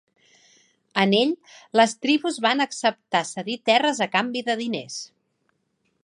En ell, les tribus van acceptar cedir terres a canvi de diners.